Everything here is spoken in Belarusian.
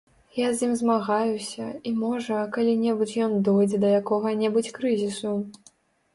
Я з ім змагаюся, і, можа, калі-небудзь ён дойдзе да якога-небудзь крызісу.